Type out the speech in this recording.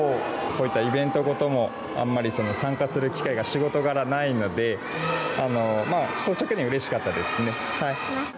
こういったイベントごともあまり参加する機会が仕事柄ないので率直に、うれしかったですね。